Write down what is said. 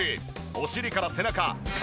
お尻から背中肩